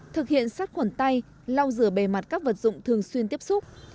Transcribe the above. thực hiện sát khuẩn tay lau rửa bề mặt các vật dụng thường xuyên tiếp xúc